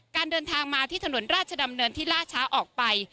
การเดินทางมาที่ถนนราชดำเนินที่ล่าช้าออกไป